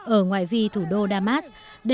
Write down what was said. ở ngoại vi thủ đô damas